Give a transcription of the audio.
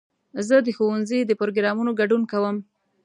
زه د ښوونځي د پروګرامونو ګډون کوم.